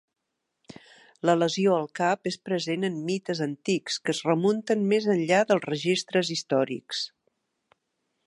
La lesió al cap és present en mites antics que es remunten més enllà dels registres històrics.